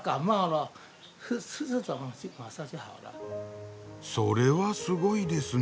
それはすごいですねえ！